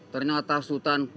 ternyata su tan